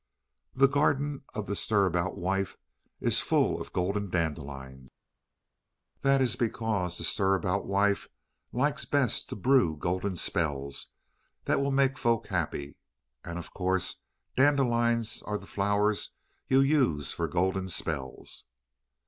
The garden of the Stir about Wife is full of golden dandelions. That is because the Stir about Wife likes best to brew golden spells that will make folk happy, and of course dandelions are the flowers you use for golden spells.